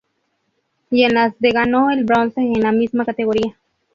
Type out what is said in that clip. Y en las de ganó el bronce en la misma categoría.